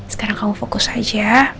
sekarang kamu fokus aja